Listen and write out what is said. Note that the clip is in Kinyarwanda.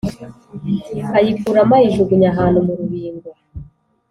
ayikuramo ayijugunya ahantu mu rubingo